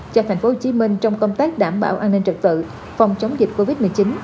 cho thành phố hồ chí minh trong công tác đảm bảo an ninh trật tự phòng chống dịch covid một mươi chín